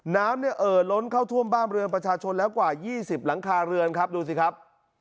น้ำเนี่ยเอ่อล้นเข้าท่วมบ้านเรือนประชาชนแล้วกว่า๒๐หลังคาเรือนครับดูสิครับ